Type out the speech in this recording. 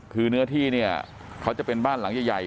คือเนื้อที่เนี่ยเขาจะเป็นบ้านหลังใหญ่